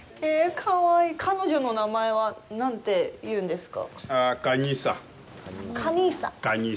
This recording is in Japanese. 彼女の名前は何ていうんですか。